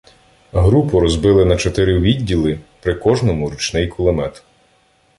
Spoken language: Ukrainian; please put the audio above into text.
Групу розбили на чотири відділи, при кожному - ручний кулемет.